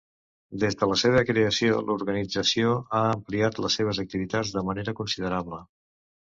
Des de la seva creació l'organització ha ampliat les seves activitats de manera considerable.